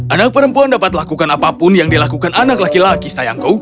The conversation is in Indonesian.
anak perempuan dapat lakukan apapun yang dilakukan anak laki laki sayangku